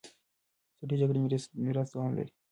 سړې جګړې میراث دوام لري.